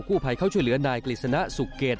ผู้ภัยเข้าช่วยเหลือนายกฤษณะสุเกต